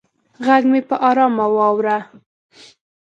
غږ مې په ارامه واوره